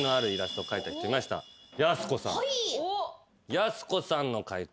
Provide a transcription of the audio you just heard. やす子さんの解答